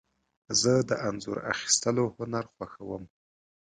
زه د انځور اخیستلو هنر خوښوم.